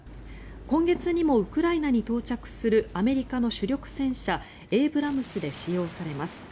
今月にもウクライナに到着するアメリカの主力戦車エイブラムスで使用されます。